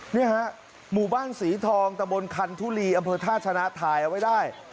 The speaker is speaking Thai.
นี่ฮะหมู่บ้านสีทองตะบนคันทุลีอำเภอท่าชนะถ่ายเอาไว้ได้